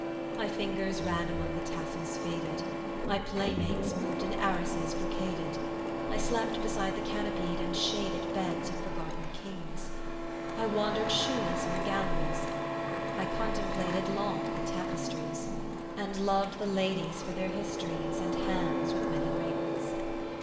My fingers ran among the tassels faded; My playmates moved in arrases brocaded; I slept beside the canopied and shaded Beds of forgotten kings. I wandered shoeless in the galleries; I contemplated long the tapestries, And loved the ladies for their histories And hands with many rings.